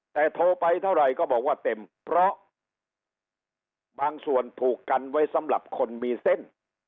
แต่โทรไปเท่าไหร่ก็บอกว่าเต็มเพราะบางส่วนถูกกันไว้สำหรับคนมีเส้น